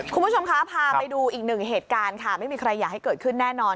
คุณผู้ชมคะพาไปดูอีกหนึ่งเหตุการณ์ค่ะไม่มีใครอยากให้เกิดขึ้นแน่นอน